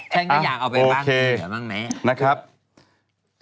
ฉันก็อยากเอาไปบ้างหรืออีกหรือบ้างไหม